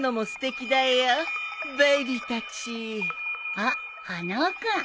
あっ花輪君。